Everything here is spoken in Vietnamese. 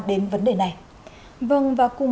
đến vấn đề này vâng và cùng